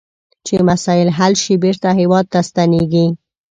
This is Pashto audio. چې مسایل حل شي بیرته هیواد ته ستنیږي.